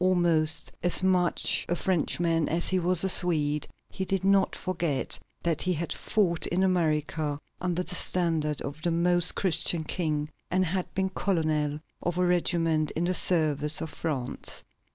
Almost as much a Frenchman as he was a Swede, he did not forget that he had fought in America under the standard of the Most Christian King, and had been colonel of a regiment in the service of France.